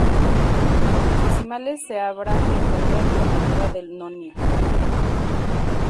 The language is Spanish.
Los decimales se habrán de encontrar con ayuda del nonio.